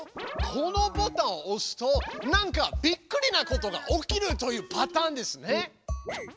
このボタンをおすとなんかびっくりなことが起きるというパターンですね。